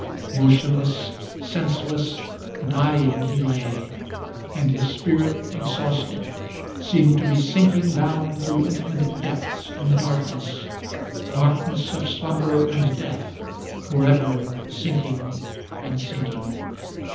Motionless, senseless, dying, he lay, and his spirit exhausted Seemed to be sinking down through infinite depths in the darkness, Darkness of slumber and death, forever sinking and sinking.